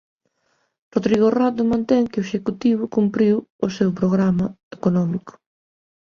Rodrigo Rato mantén que o Executivo cumpriu o seu programa económico